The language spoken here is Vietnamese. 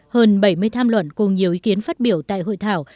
hơn bảy mươi tham luận cùng nhiều ý kiến phát biểu tại hội thảo